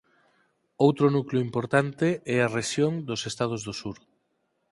Outro núcleo importante é a rexión dos estados do sur.